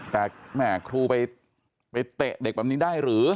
แต่แม่ครูไปเตะเด็กแบบนี้ได้หรือ